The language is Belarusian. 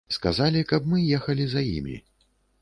Сказалі, каб мы ехалі за імі.